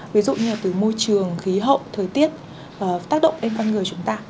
ví dụ như là từ môi trường khí hậu thời tiết tác động đến con người chúng ta